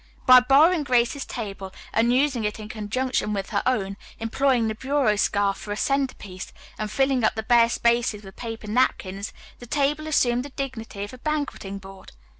By borrowing Grace's table and using it in conjunction with her own, employing the bureau scarf for a centerpiece, and filling up the bare spaces with paper napkins, the table assumed the dignity of a banqueting board.